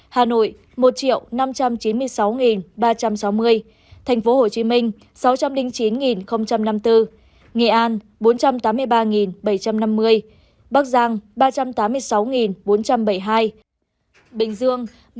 hà nội một năm trăm chín mươi sáu ba trăm sáu mươi tp hcm sáu trăm linh chín năm mươi bốn nghệ an bốn trăm tám mươi ba bảy trăm năm mươi bắc giang ba trăm tám mươi sáu bốn trăm bảy mươi hai bình dương ba trăm tám mươi ba bảy trăm ba mươi chín